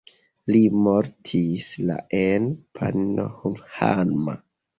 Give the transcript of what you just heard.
Li mortis la en Pannonhalma.